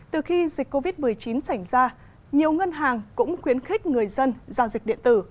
từ khi dịch covid một mươi chín xảy ra nhiều ngân hàng cũng khuyến khích người dân giao dịch điện tử